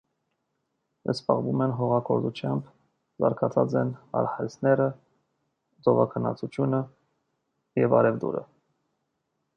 Զբաղվում են հողագործությամբ, զարգացած են արհեստները, ծովագնացությունն ու առևտուրը։